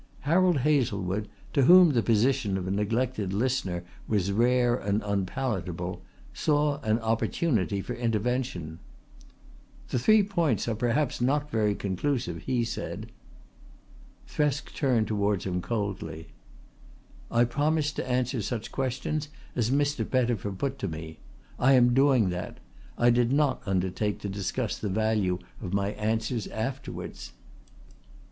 Harold Hazlewood, to whom the position of a neglected listener was rare and unpalatable, saw an opportunity for intervention. "The three points are perhaps not very conclusive," he said. Thresk turned towards him coldly: "I promised to answer such questions as Mr. Pettifer put to me. I am doing that. I did not undertake to discuss the value of my answers afterwards."